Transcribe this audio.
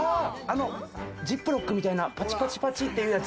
ジップロックみたいなパチパチパチっていうやつ。